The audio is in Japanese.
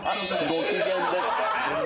ご機嫌です。